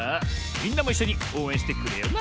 みんなもいっしょにおうえんしてくれよな。